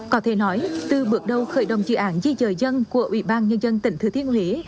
có thể nói từ bước đầu khởi đồng dự án di dời dân của ủy ban nhân dân tỉnh thừa thiên huế